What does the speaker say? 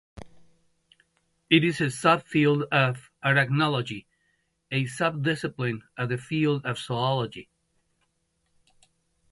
It is a subfield of arachnology, a sub-discipline of the field of zoology.